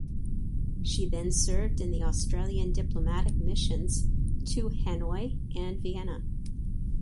She then served in the Australian diplomatic missions to Hanoi and Vienna.